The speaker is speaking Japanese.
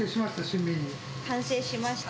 完成しました？